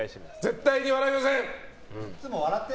絶対に笑いません！